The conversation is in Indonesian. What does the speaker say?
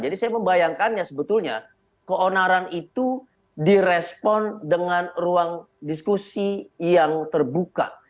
jadi saya membayangkannya sebetulnya keonaran itu direspon dengan ruang diskusi yang terbuka